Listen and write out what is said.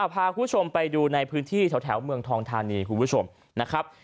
พาคุณผู้ชมไปดูในพื้นที่แถวเมืองทองธานีคุณผู้ชมนะครับ